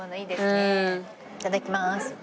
いただきます。